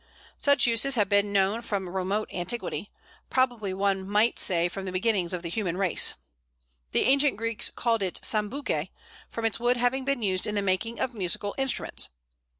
Such uses have been known from remote antiquity probably one might say from the beginnings of the human race. The ancient Greeks called it Sambúke, from its wood having been used in the making of musical instruments.